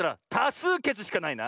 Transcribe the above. すうけつしかないな。